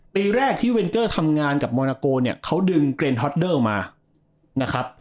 ปีแรกที่เวนเกอร์ทำงานกับโมนาโกเขาดึงเกรนฮ็อตเดิลมา